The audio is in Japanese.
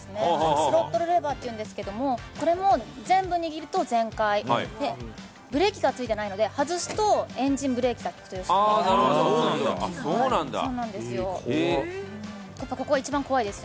スロットルレバーというんですけれども、これも全部握ると全開、ブレーキがついていないので外すとエンジンブレーキがつくという仕組みです。